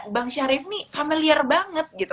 bang syarif nih familiar banget gitu